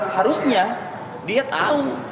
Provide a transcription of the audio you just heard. harusnya dia tahu